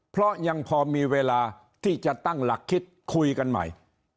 เพราะยังพอมีเวลาที่จะตั้งหลักคิดคุยกันใหม่